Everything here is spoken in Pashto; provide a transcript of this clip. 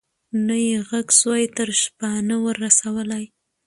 نه یې ږغ سوای تر شپانه ور رسولای